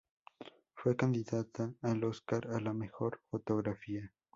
Fue candidata al Óscar a la mejor fotografía.